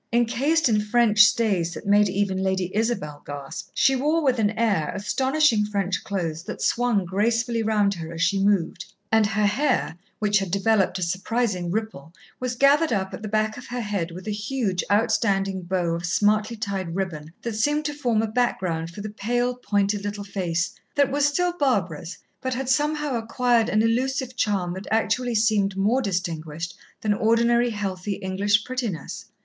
Encased in French stays that made even Lady Isabel gasp, she wore, with an air, astonishing French clothes that swung gracefully round her as she moved, and her hair, which had developed a surprising ripple, was gathered up at the back of her head with a huge, outstanding bow of smartly tied ribbon that seemed to form a background for the pale, pointed little face, that was still Barbara's, but had somehow acquired an elusive charm that actually seemed more distinguished than ordinary, healthy English prettiness.